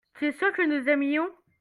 tu es sûr que nous aimions.